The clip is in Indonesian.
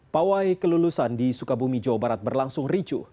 pawai kelulusan di sukabumi jawa barat berlangsung ricu